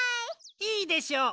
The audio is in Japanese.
いいでしょう。